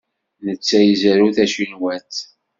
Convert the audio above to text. Netta izerrew tacinwat.